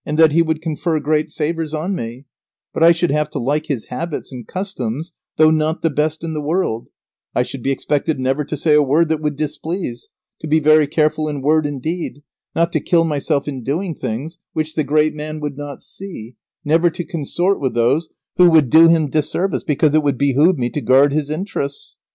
if I should engage myself to one, I think that I should be a great favourite, and that he would confer great favours on me; but I should have to like his habits and customs though not the best in the world; I should be expected never to say a word that would displease, to be very careful in word and deed, not to kill myself in doing things which the great man would not see, never to consort with those who would do him disservice because it would behove me to guard his interests.